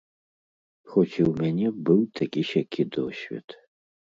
Хоць і ў мяне быў такі-сякі досвед.